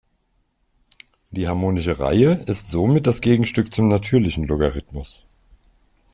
Die harmonische Reihe ist somit das Gegenstück zum natürlichen Logarithmus.